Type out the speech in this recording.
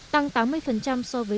tăng tám mươi so với cơ hội cháy